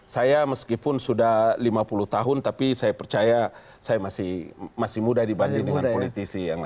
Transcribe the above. saya meskipun sudah lima puluh tahun tapi saya percaya saya masih muda dibanding politisi